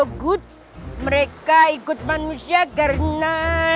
tunggu lo gut mereka ikut manusia karena